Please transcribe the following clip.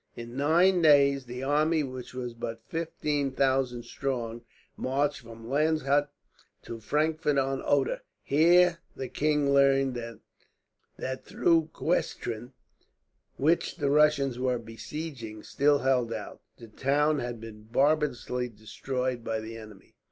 In nine days the army, which was but fifteen thousand strong, marched from Landshut to Frankfort on Oder. Here the king learned that though Kuestrin, which the Russians were besieging, still held out, the town had been barbarously destroyed by the enemy.